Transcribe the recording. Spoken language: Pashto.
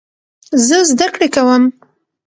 زه زده کړې کوم.